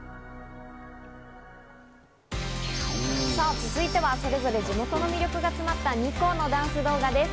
続いては、それぞれ地元の魅力が詰まった２校のダンス動画です。